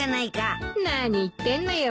何言ってんのよ。